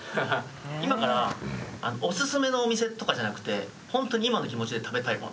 今からおすすめのお店とかじゃなくてホントに今の気持ちで食べたいもの。